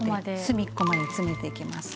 隅っこまで詰めていきます。